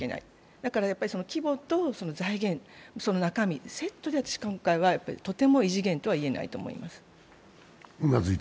だから、規模と財源、その中身セットで今回はとても異次元とは言えないと思います。